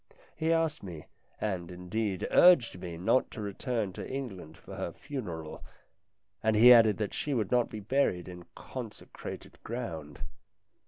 He asked me, and, indeed, urged me not to return to England for her funeral, and he added that she would not be buried in consecrated ground.